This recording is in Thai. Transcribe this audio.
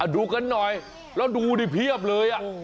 ดูกันหน่อยแล้วดูดิเพียบเลย